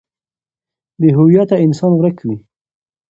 بې هويته انسان ورک وي.